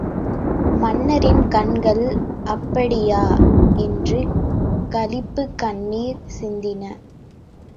மன்னரின் கண்கள் அப்படியா! என்று களிப்புக் கண்ணீர் சிந்தின!...